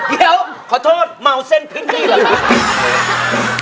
เดี๋ยวขอโทษเมาเส้นพื้นที่เหรอครับ